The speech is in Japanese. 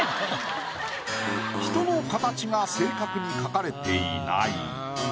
人の形が正確に描かれていない。